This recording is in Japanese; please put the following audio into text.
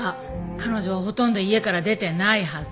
彼女はほとんど家から出てないはず。